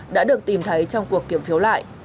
đã được tìm thấy trong cuộc kiểm phiếu lại